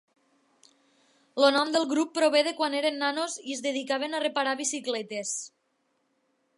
El nom del grup prové de quan eren nanos i es dedicaven a reparar bicicletes.